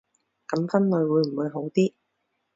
噉分類會唔會好啲